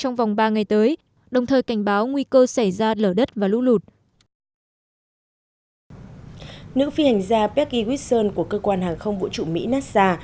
nữ phi hành gia peggy whiston của cơ quan hàng không vũ trụ mỹ nasa